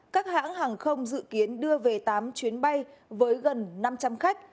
các hãng hàng không dự kiến đưa về tám chuyến bay với gần năm trăm linh khách